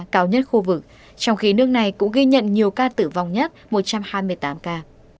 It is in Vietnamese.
cao nhất khu vực trong khi nước này cũng ghi nhận nhiều ca tử vong nhất một trăm hai mươi tám ca